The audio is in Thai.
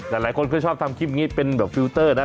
แต่หลายคนก็ชอบทำคลิปนี้เป็นแบบฟิลเตอร์นะ